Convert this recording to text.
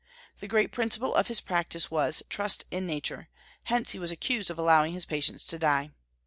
The great principle of his practice was trust in Nature; hence he was accused of allowing his patients to die.